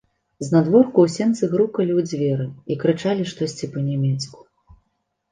Знадворку ў сенцы грукалі ў дзверы і крычалі штосьці па-нямецку.